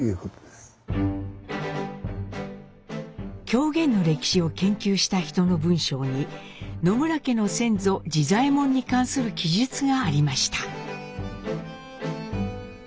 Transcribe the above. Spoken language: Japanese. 狂言の歴史を研究した人の文章に野村家の先祖次左衛門に関する記述がありました。